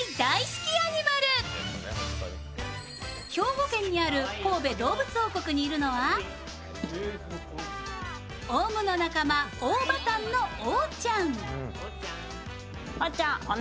兵庫県にある神戸どうぶつ王国にいるのはオウムの仲間オオバタンのオオちゃん。